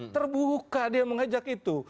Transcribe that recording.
terbuka dia mengajak itu